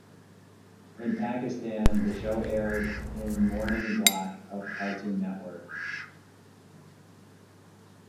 In Pakistan, the show aired in morning block of Cartoon Network.